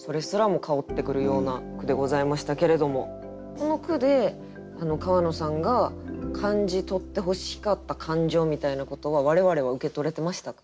この句で川野さんが感じとってほしかった感情みたいなことは我々は受け取れてましたか？